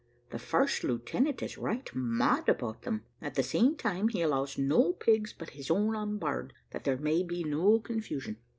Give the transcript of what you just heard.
The first lieutenant is right mad about them. At the same time he allows no pigs but his own on board, that there may be no confusion.